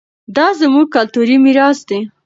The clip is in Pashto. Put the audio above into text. دا زموږ کلتوري ميراث دی.